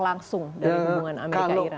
langsung dari hubungan amerika ira